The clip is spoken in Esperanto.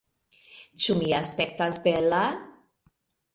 Ĉu mi aspektas bela?